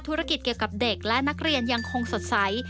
ธุรกิจเกี่ยวกับเด็กและนักเรียนยังคงสดใส